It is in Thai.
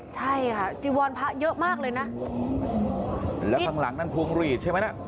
ใช่ค่ะจีวรพระเยอะมากเลยนะแล้วข้างหลังนั่นพวงหลีดใช่ไหมน่ะ